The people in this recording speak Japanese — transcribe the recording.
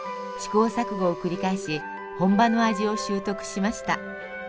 試行錯誤を繰り返し本場の味を習得しました。